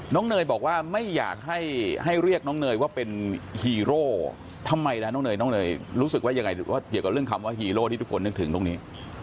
เนยบอกว่าไม่อยากให้เรียกน้องเนยว่าเป็นฮีโร่ทำไมล่ะน้องเนยน้องเนยรู้สึกว่ายังไงเกี่ยวกับเรื่องคำว่าฮีโร่ที่ทุกคนนึกถึงตรงนี้